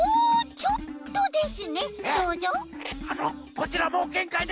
あのこちらもうげんかいです。